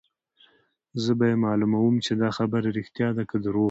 زه به يې معلوموم چې دا خبره ريښتیا ده که درواغ.